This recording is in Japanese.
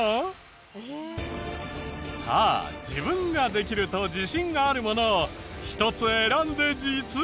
さあ自分ができると自信があるものを１つ選んで実演。